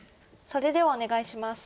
それではお願いします。